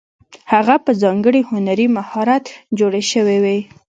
هغه په ځانګړي هنري مهارت جوړې شوې وې.